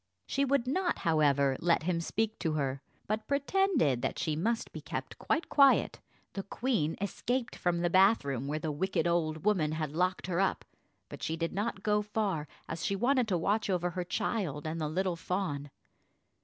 She would not, however, let him speak to her, but pretended that she must be kept quite quiet. The queen escaped from the bath room, where the wicked old woman had locked her up, but she did not go far, as she wanted to watch over her child and the little fawn.